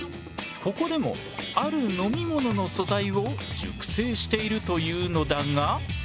ここでもある飲み物の素材を熟成しているというのだが。